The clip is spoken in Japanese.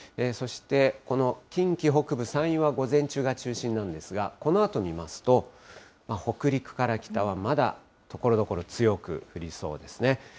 そして、この近畿北部、山陰は午前中が中心なんですが、このあと見ますと、北陸から北は、まだところどころ強く降りそうですね。